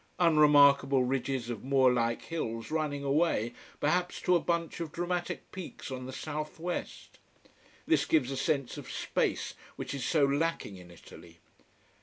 Unremarkable ridges of moor like hills running away, perhaps to a bunch of dramatic peaks on the southwest. This gives a sense of space, which is so lacking in Italy.